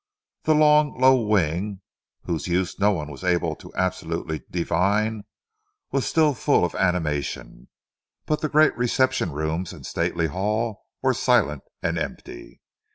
The long, low wing whose use no one was able absolutely to divine, was still full of animation, but the great reception rooms and stately hall were silent and empty.